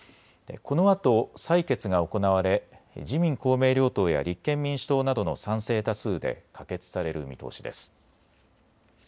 このあと採決が行われ、自民公明両党や立憲民主党などの賛成多数で可決される見通しです。